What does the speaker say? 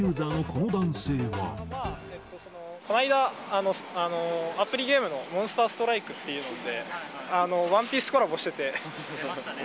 この間、アプリゲームのモンスターストライクっていうので、出ましたね。